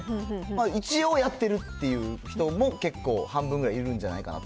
一応やってるっていう人も結構、半分ぐらいいるんじゃないかなと。